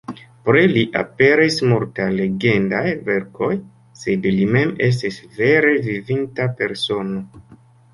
Pri li aperis multaj legendaj verkoj, sed li mem estis vere vivinta persono.